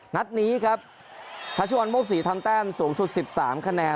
นัดนี้ครับชัชวัลโมกศรีทำแต้มสูงสุด๑๓คะแนน